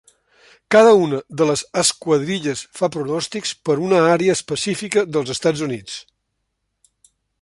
Cada una de les esquadrilles fa pronòstics per una àrea específica dels Estats Units.